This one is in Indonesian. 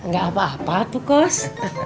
gak apa apa tuh kos